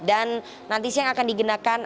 dan nanti siang akan digenakan